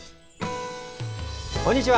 こんにちは。